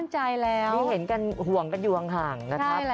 ที่เห็นกันห่วงกันอยู่ห่างนะครับ